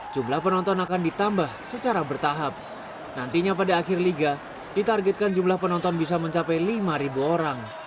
jumlah penonton akan ditambah secara bertahap nantinya pada akhir liga ditargetkan jumlah penonton bisa mencapai lima orang